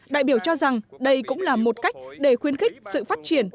đại biểu cho rằng đây cũng là một cách để khuyến khích sự phát triển